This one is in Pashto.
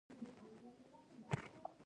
دا اړتیا د ټولنیز ژوند محرکه ده.